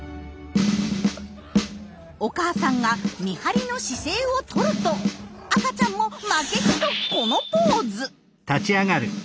お母さんが見張りの姿勢をとると赤ちゃんも負けじとこのポーズ！